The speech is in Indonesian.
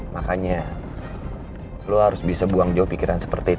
makanya lo harus bisa buang jauh pikiran seperti itu